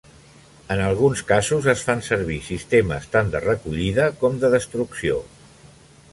En alguns casos es fan servir sistemes tant de recollida com de destrucció.